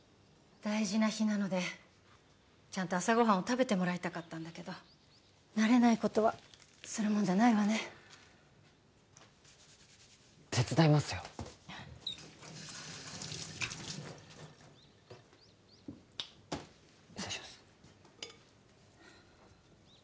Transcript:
大事な日なのでちゃんと朝ご飯を食べてもらいたかったんだけど慣れないことはするもんじゃないわね手伝いますよ失礼します